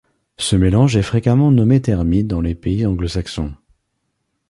Ce mélange est fréquemment nommé thermite dans les pays anglo-saxons.